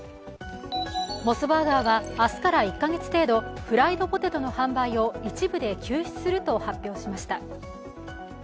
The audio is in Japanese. モスバーガーは明日から１カ月程度、フライドポテトの販売を一部で休止すると発表しました。